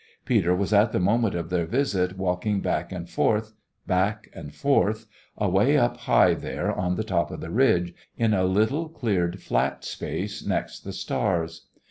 Peter was at the moment of their visit walking back and forth, back and forth, away up high there on the top of the ridge, in a little cleared flat space next the stars.